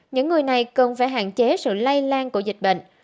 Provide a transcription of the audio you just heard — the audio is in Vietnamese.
những người này cần phải hạn chế sự lây lan của dịch bệnh